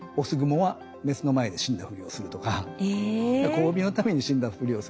交尾のために死んだふりをするとか。